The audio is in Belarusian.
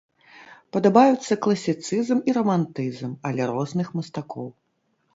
Падабаюцца класіцызм і рамантызм, але розных мастакоў.